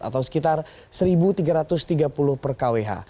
atau sekitar satu tiga ratus tiga puluh per kwh